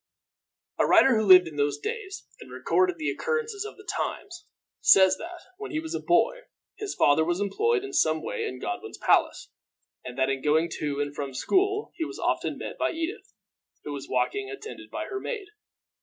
A writer who lived in those days, and recorded the occurrences of the times, says that, when he was a boy, his father was employed in some way in Godwin's palace, and that in going to and from school he was often met by Edith, who was walking, attended by her maid.